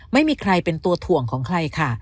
ไม่มีใครเป็นตัวถ่วงของใครค่ะ